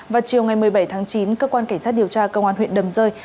vào chiều ngày một mươi bảy tháng chín cơ quan cảnh sát điều tra công an huyện đầm rơi